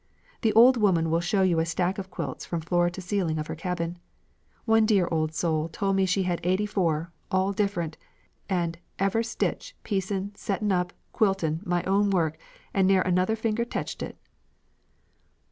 The old woman will show you a stack of quilts from floor to ceiling of her cabin. One dear old soul told me she had eighty four, all different, and 'ever' stitch, piecin', settin' up, quiltin', my own work and ne'er another finger tetched hit.'"